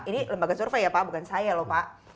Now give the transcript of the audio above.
ini lembaga survei ya pak bukan saya lho pak